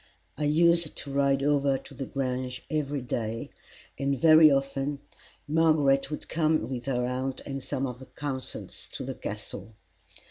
I used to ride over to the Grange every day, and very often Margaret would come with her aunt and some of her consuls to the Castle.